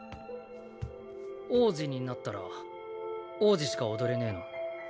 王子になったら王子しか踊れねぇの？